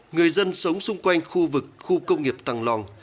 người dân sống xung quanh khu vực khu công nghiệp tàng lòng